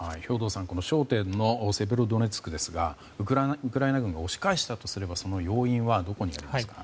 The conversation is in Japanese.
焦点のセベロドネツクですがウクライナ軍が押し返したとすればその要因はどこにあるんでしょうか。